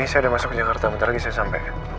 ini saya sudah masuk ke jakarta bentar lagi saya sampai